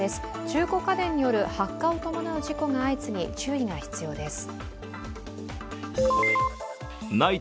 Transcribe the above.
中古家電による発火を伴う事故が相次ぎ注意が必要です。